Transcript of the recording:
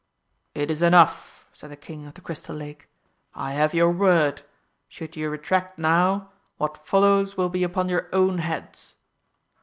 "It is enough," said the King of the Crystal Lake, "I have your word. Should ye retract now, what follows will be upon your own heads!"